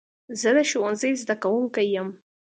زه د ښوونځي زده کوونکی یم.